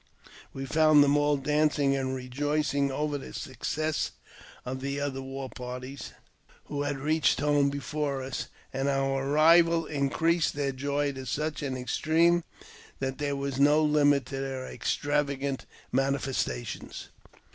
We found them all dancing and rejoicing over the success oM the other war parties, who had reached home before us, and our arrival increased their joy to such an extreme that there was no limit to their extravagant manifestations.